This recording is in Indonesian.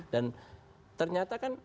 dan ternyata kan